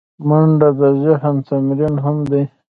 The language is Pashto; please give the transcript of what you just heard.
منډه د ذهن تمرین هم دی